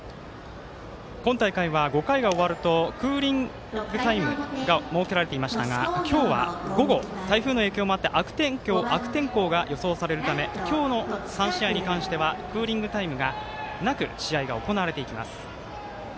今大会は５回が終わるとクーリングタイムが設けられていましたが今日は午後、台風の影響もあって悪天候が予想されるため今日の３試合に関してはクーリングタイムがなく試合が行われていきます。